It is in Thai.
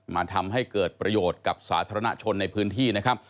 ทำให้เกิดประโยชน์กับสาธารณชนในพื้นที่นะครับ